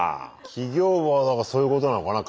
起業部はだからそういうことなのかな。